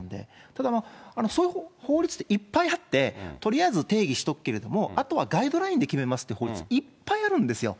ただまあ、そういう法律っていっぱいあって、とりあえず定義しとくけれども、あとはガイドラインで決めますっていう法律、いっぱいあるんですよ。